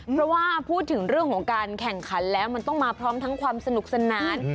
เพราะว่าพูดถึงเรื่องของการแข่งขันแล้วมันต้องมาพร้อมทั้งความสนุกสนาน